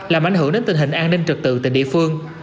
làm ảnh hưởng đến tình hình an ninh trật tự tỉnh địa phương